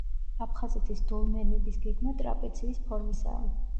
აფხაზეთის დოლმენების გეგმა ტრაპეციის ფორმისაა.